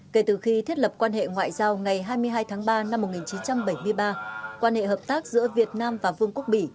kể từ khi thiết lập quan hệ ngoại giao ngày hai mươi hai tháng ba năm một nghìn chín trăm bảy mươi ba quan hệ hợp tác giữa việt nam và vương quốc bỉ